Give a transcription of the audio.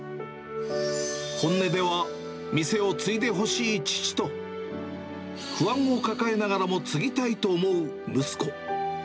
本音では店を継いでほしい父と、不安を抱えながらも継ぎたいと思う息子。